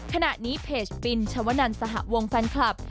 ขณะนี้เพจปินชวนันสหวงแฟนคลับ